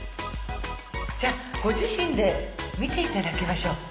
じゃあご自身で見ていただきましょう。